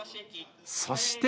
そして。